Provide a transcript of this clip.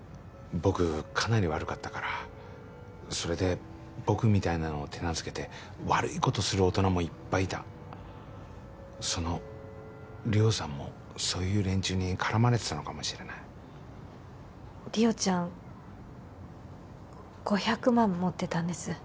僕かなり悪かったからそれで僕みたいなのを手なずけて悪いことする大人もいっぱいいたその莉桜さんもそういう連中にからまれてたのかもしれない莉桜ちゃん５００万持ってたんです